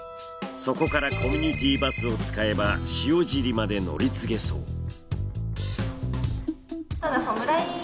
そこからコミュニティバスを使えば塩尻まで乗り継げそう。